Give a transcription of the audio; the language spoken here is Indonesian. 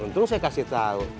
untung saya kasih tau